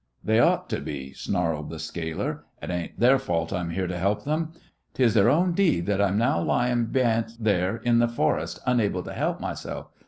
"They ought to be," snarled the scaler; "it ain't their fault I'm here to help them. 'Tis their own deed that I'm now lyin' beyant there in th' forest, unable to help myself.